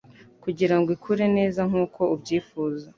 kugirango ikure neza nkuko ubyifuza.